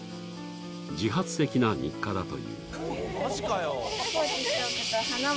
自発的な日課だという。